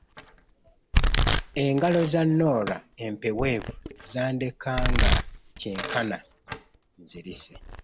Engalo za Norah empeweevu zandekanga kyenkana nzirise.